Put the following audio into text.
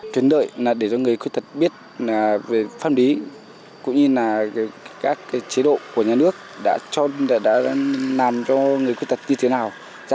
tuyến đợi là để cho người khuyết tật biết về pháp lý cũng như là các chế độ của nhà nước đã làm cho người khuyết tật như thế nào